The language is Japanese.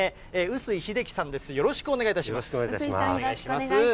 臼井さん、よろしくお願いします。